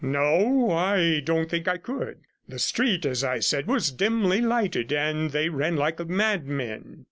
'No, I don't think I could. The street, as I said, was dimly lighted, and they ran like madmen.'